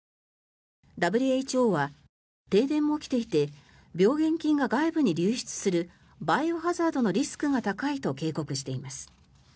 ＷＨＯは、停電も起きていて病原菌が外部に流出するバイオハザードのリスクが高いと警告しています。